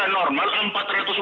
apalagi jaraknya tidak jauh